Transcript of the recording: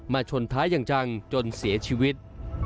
ชนท้ายอย่างจังจนเสียชีวิต